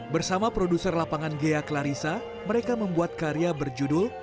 bersama produser lapangan ghea klarissa mereka membuat karya berjudul